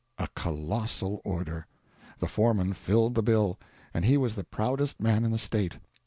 A colossal order! The foreman filled the bill; and he was the proudest man in the State.